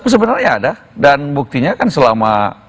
sebenarnya ada dan buktinya kan selama